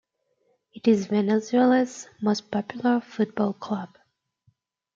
It is Venezuela's most popular football club.